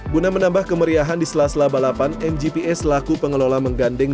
guna menambah kemeriahan di sela sela balapan mgps laku pengelola menggandeng